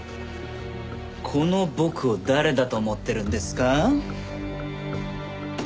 この僕を誰だと思ってるんですか？